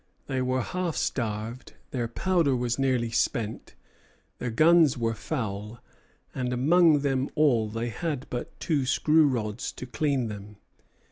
They were half starved, their powder was nearly spent, their guns were foul, and among them all they had but two screw rods to clean them.